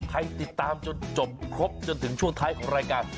ติดตามจนจบครบจนถึงช่วงท้ายของรายการ